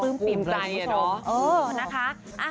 เอ่อนะคะ